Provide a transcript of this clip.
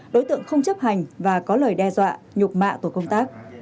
đối tượng không chấp hành và có lời đe dọa nhục mạ tổ công tác